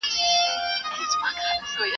له خپل جهله ځي دوږخ ته دا اولس خانه خراب دی.